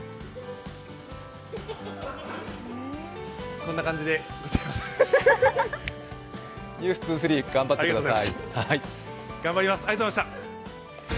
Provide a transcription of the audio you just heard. こんな感じで「ｎｅｗｓ２３」頑張ってください。